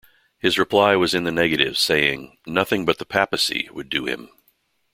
His reply was in the negative saying 'nothing but the papacy' would do him.